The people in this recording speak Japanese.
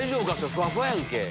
ふわふわやんけ。